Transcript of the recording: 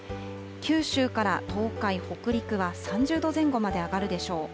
九州から東海、北陸は３０度前後まで上がるでしょう。